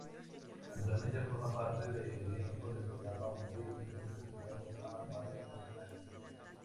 Actualmente forma parte del elenco del programa humorístico interpretando a varios personajes.